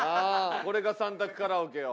これが３択カラオケよ。